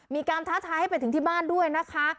มีการท้าท้ายให้ไปถึงบ้านด้วยนะคะ